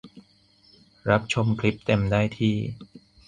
รับชมคลิปเต็มได้ที่